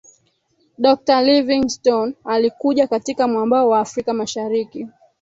Dokta Living Stone alikuja katika mwambao wa afrika ya mashariki